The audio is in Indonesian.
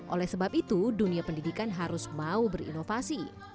oleh sebab itu dunia pendidikan harus mau berinovasi